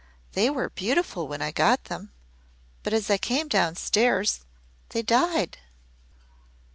'They were beautiful when I got them but as I came down stairs they died.'